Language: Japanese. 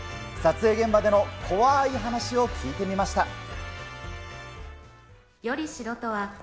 撮影現場での怖い話を聞いてみました。